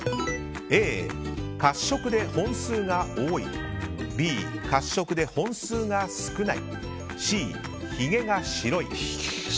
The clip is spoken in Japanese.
Ａ、褐色で本数が多いＢ、褐色で本数が少ないＣ、ひげが白い。